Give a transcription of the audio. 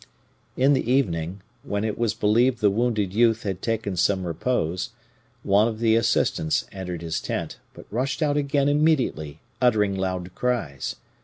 "In the evening, when it was believed the wounded youth had taken some repose, one of the assistants entered his tent, but rushed out again immediately, uttering loud cries.